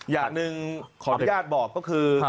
อย่างหนึ่งขออนุญาตบอกก็คือ